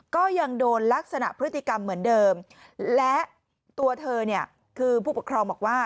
ก็ยังโดนลักษณะพฤติกรรมเหมือนเดิมและตัวเธอเนี่ยคือผู้ปกครองบอกว่า